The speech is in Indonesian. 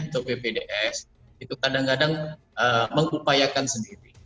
atau ppds itu kadang kadang mengupayakan sendiri